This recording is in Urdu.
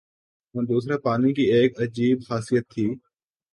اور دوسرا پانی کی ایک عجیب خاصیت تھی